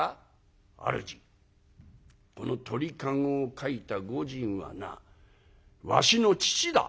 「主この鳥籠を描いた御仁はなわしの父だ」。